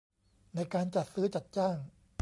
ในการจัดซื้อจัดจ้าง